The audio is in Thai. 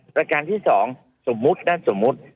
ประการที่๒สมมุตินะสมมุติ